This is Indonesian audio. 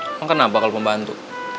emang kenapa kalau pembantu